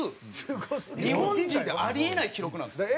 日本人であり得ない記録なんですよ。